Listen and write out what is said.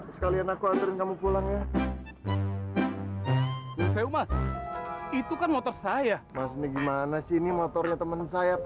sekalian aku aturin kamu pulang ya itu kan motor saya maksudnya gimana sih ini motornya temen saya